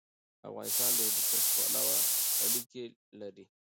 افغانستان د هندوکش پلوه اړیکې لري.